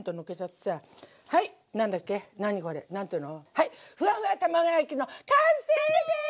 はいふわふわ卵焼きの完成です！